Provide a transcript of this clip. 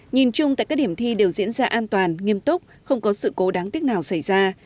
nhìn chung tại các điểm thi đều diễn ra an toàn nghiêm túc không có sự cố đáng tiếc nào xảy ra